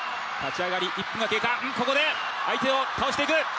ここで相手を倒していく。